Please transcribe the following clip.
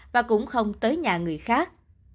và cũng không tới nhà người khác